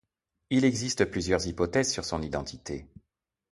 Il existe plusieurs hypothèses sur son identité.